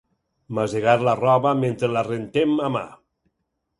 Masegar la roba mentre la rentem a mà.